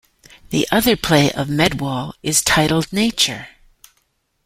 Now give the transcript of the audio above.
The other play of Medwall is titled "Nature".